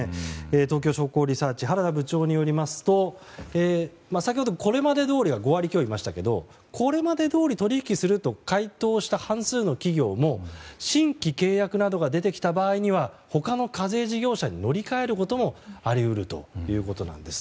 東京商工リサーチ原田部長によりますと先ほど、これまでどおりは５割強いましたがこれまで通り取引すると回答した企業の半数も新規契約などが出てきた場合には他の課税事業者に乗り換えることもあり得るということなんです。